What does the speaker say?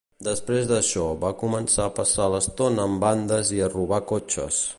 Després d'això, va començar a passar l'estona amb bandes i a robar cotxes.